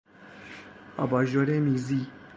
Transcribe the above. آباژور میزی